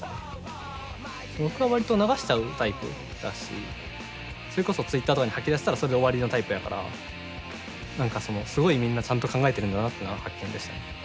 僕は割と流しちゃうタイプだしそれこそツイッターとかに吐き出したらそれで終わりのタイプやから何かそのすごいみんなちゃんと考えてるんだなってのは発見でしたね。